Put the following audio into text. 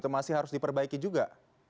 masih harus diperbaiki juga